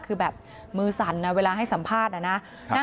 คือแบบมือสั่นนะเวลาให้สัมภาษณ์นะ